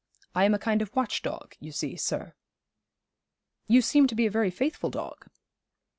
I am a kind of watch dog, you see, sir.' 'You seem to be a very faithful dog.'